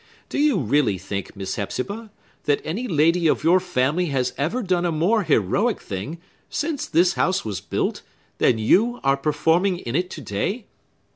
Do you really think, Miss Hepzibah, that any lady of your family has ever done a more heroic thing, since this house was built, than you are performing in it to day?